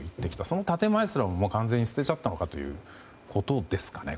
その建前すらも完全に捨てちゃったのかということですかね。